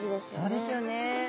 そうですよね。